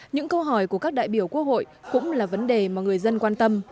những câu hỏi của các đại biểu quốc hội cũng là vấn đề mà người dân quan tâm